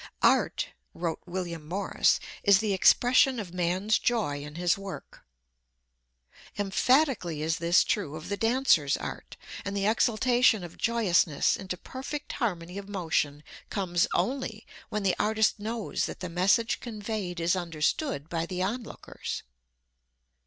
"Art," wrote William Morris, "is the expression of man's joy in his work." Emphatically is this true of the dancer's art, and the exaltation of joyousness into perfect harmony of motion comes only when the artist knows that the message conveyed is understood by the onlookers.